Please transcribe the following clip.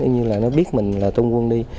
như là nó biết mình là tung quân đi